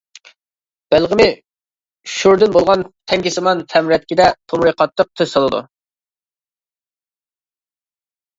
بەلغىمى شوردىن بولغان تەڭگىسىمان تەمرەتكىدە تومۇرى قاتتىق، تېز سالىدۇ.